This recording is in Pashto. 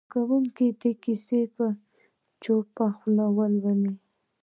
زده کوونکي دې کیسه په چوپه خوله ولولي.